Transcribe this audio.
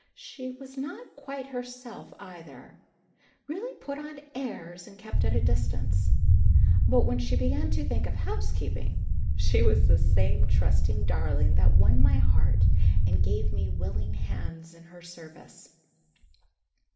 She was not quite herself, either really put on airs and kept at a distance; but when she began to think of housekeeping she was the same trusting darling that won my heart and gave me willing hands in her service.